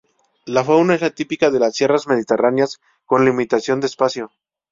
La fauna es la típica de las sierras mediterráneas con limitación de espacio.